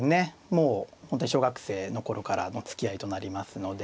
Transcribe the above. もう本当に小学生の頃からのつきあいとなりますので。